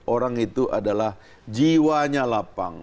orang itu adalah jiwanya lapang